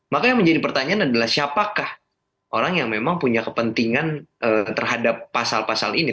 maka yang menjadi pertanyaan adalah siapakah orang yang memang punya kepentingan terhadap pasal pasal ini